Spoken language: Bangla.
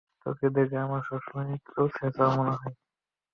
তোকে দেখে আমার সবসময় চোর ছেচর মনে হয়।